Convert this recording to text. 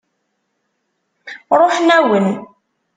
Ṛuḥen-awen.